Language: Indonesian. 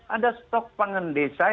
ada stok pangan desa